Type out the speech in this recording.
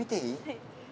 はい。